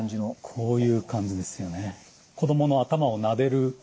こういう感じですよね。